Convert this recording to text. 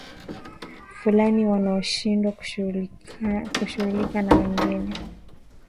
fulani wanaoshindwa kushughulika na wengine